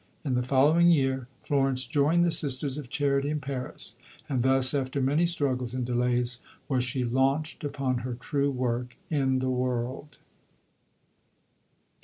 In the following year, Florence joined the Sisters of Charity in Paris. And thus, after many struggles and delays, was she launched upon her true work in the world.